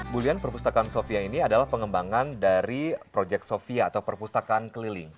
bulian perpustakaan sofia ini adalah pengembangan dari proyek sofia atau perpustakaan keliling